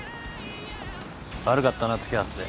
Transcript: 悪かったな付き合わせて。